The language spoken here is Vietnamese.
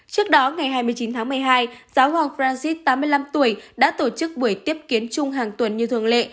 trước đó ngày hai mươi chín tháng một mươi hai giáo hoàng francit tám mươi năm tuổi đã tổ chức buổi tiếp kiến chung hàng tuần như thường lệ